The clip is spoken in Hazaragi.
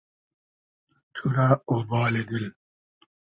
تو رۂ اۉبالی دیل